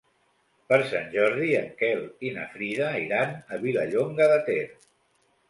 Per Sant Jordi en Quel i na Frida iran a Vilallonga de Ter.